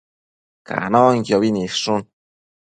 Canonquiobi nidshun